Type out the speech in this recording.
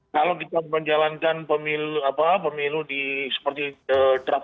kalau kita menjalankan pemilu seperti draft